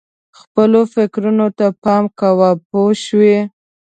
خپلو فکرونو ته پام کوه پوه شوې!.